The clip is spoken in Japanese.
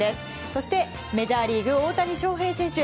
そしてメジャーリーグ大谷翔平選手